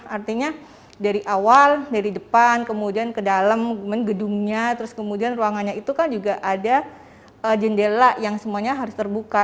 artinya dari awal dari depan kemudian ke dalam gedungnya terus kemudian ruangannya itu kan juga ada jendela yang semuanya harus terbuka